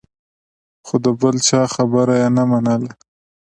خو د بل چا خبره یې نه منله.